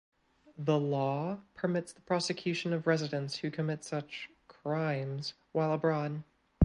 The law permits the prosecution of residents who commit such crimes while abroad.